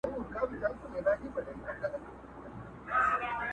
o ترخه وخوره، خو ترخه مه وايه٫